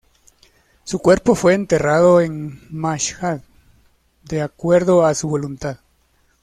Su cuerpo fue enterrado en Mashhad de acuerdo a su voluntad.